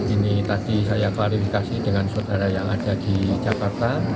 ini tadi saya klarifikasi dengan saudara yang ada di jakarta